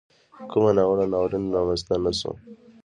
کومه ناوړه ناورین را مینځته نه سو.